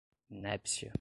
inépcia